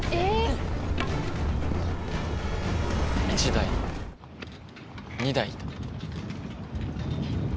１台２台。